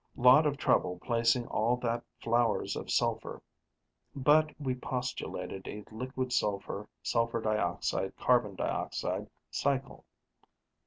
Lot of trouble placing all that flowers of sulfur, but we postulated a liquid sulfur sulfur dioxide carbon dioxide cycle.